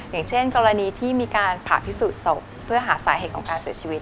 อย่างเช่นกรณีที่มีการผ่าพิสูจน์ศพเพื่อหาสาเหตุของการเสียชีวิต